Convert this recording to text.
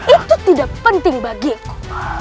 itu tidak penting bagiku